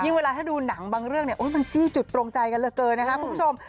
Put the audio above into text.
เวลาถ้าดูหนังบางเรื่องเนี่ยมันจี้จุดตรงใจกันเหลือเกินนะคะคุณผู้ชม